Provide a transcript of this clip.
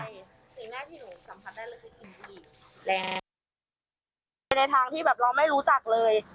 ในทางที่แบบเราไม่รู้จักเลย